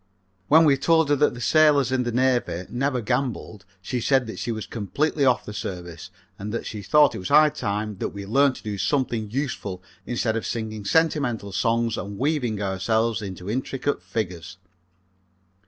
When we told her that the sailors in the Navy never gambled she said that she was completely off the service, and that she thought it was high time that we learned to do something useful instead of singing sentimental songs and weaving ourselves into intricate figures.